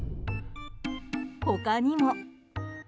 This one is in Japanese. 他にも。